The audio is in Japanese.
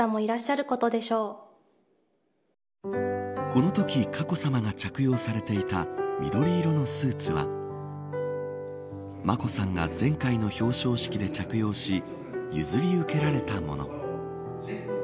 このとき佳子さまが着用されていた緑色のスーツは眞子さんが前回の表彰式で着用し譲り受けられたもの。